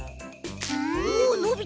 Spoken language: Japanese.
おのびた。